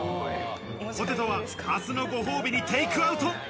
ポテトは明日のご褒美にテイクアウト。